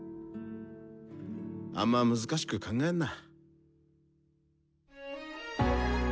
あんま難しく考えんな。